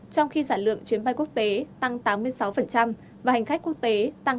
trong khi sản lượng chuyến bay quốc tế tăng tám mươi sáu và hành khách quốc tế tăng hai trăm linh